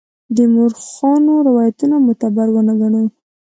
د مورخانو روایتونه معتبر ونه ګڼو.